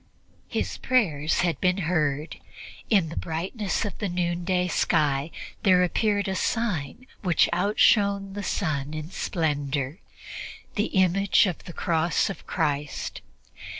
His prayers had been heard. In the brightness of the noonday sky there appeared a sign which outshone the sun in splendor the image of the Cross of Christ.